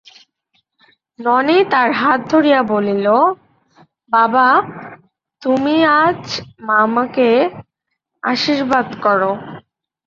ননি তাঁর হাত ধরিয়া বলিল, বাবা, তুমি আজ আমাকে আশীর্বাদ করো।